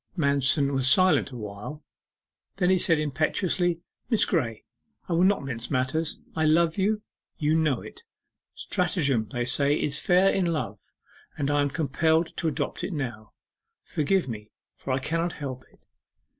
Manston was silent awhile. Then he said impetuously: 'Miss Graye, I will not mince matters I love you you know it. Stratagem they say is fair in love, and I am compelled to adopt it now. Forgive me, for I cannot help it.